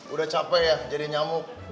udah capek ya jadi nyamuk